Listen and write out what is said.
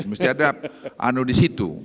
mesti ada anu disitu